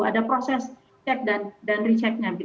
ada proses cek dan rechecknya